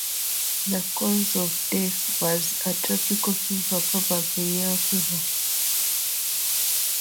The cause of death was a "tropical fever", probably yellow fever.